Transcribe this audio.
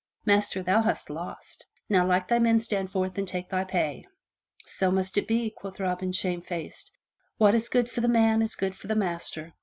"Master, thou hast lost. Now like thy men stand forth and take thy pay." "So must it be," quoth Robin, shamefaced, "what is good for a man is good for the master.